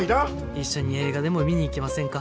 一緒に映画でも見に行きませんか？